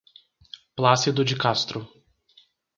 Plácido de Castro